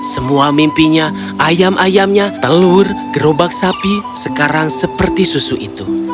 semua mimpinya ayam ayamnya telur gerobak sapi sekarang seperti susu itu